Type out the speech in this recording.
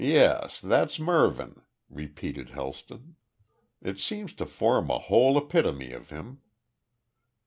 "Yes. That's Mervyn," repeated Helston. "It seems to form a whole epitome of him."